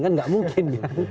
kan tidak mungkin